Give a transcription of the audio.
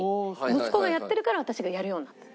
息子がやってるから私がやるようになったの。